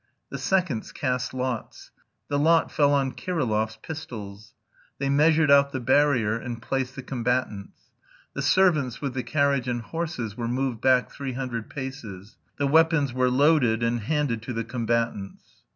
The seconds cast lots. The lot fell on Kirillov's pistols. They measured out the barrier and placed the combatants. The servants with the carriage and horses were moved back three hundred paces. The weapons were loaded and handed to the combatants.